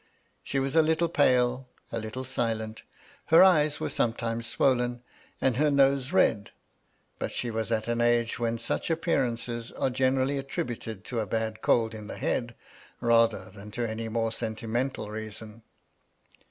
She was a little pale, a little silent; her eyes were sometimes swollen, and her nose red ; but she was at an age when such appearances are generally attributed to a bad cold in the head, rather than to any more sentimental reason.